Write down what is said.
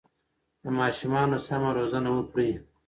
د ماشومانو سمه روزنه وکړئ.